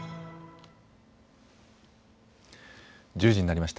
１０時になりました。